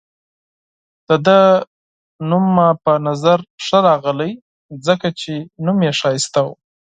د ده نوم مې په نظر ښه راغلی، ځکه چې نوم يې ښایسته وو.